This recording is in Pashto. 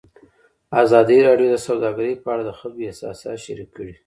ازادي راډیو د سوداګري په اړه د خلکو احساسات شریک کړي.